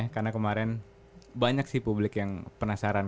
karena kemarin banyak sih publik yang penasaran